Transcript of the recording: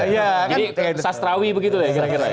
jadi sastrawi begitu ya kira kira